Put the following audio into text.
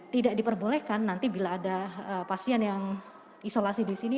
tidak diperbolehkan nanti bila ada pasien yang isolasi di sini